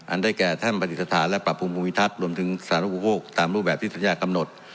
อันได้แก่ท่านปฏิสถานและปรับภูมิมิทัศน์รวมถึงสารภูมิพวกตามรูปแบบที่สัญญากำหนด